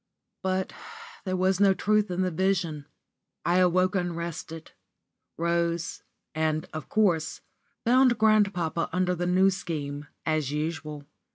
*_ But there was no truth in the vision. I awoke unrested rose, and, of course, found grandpapa under the New Scheme, as usual.